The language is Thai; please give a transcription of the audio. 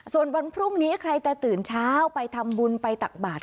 ส่วนวันพรุ่งนี้ใครจะตื่นเช้าไปทำบุญไปตักบาท